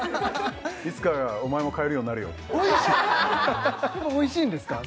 「いつかお前も買えるようになるよ」っておいしいんですか？